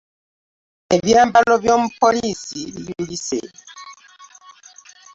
Ebyambalo by'omupoliisi biyulise.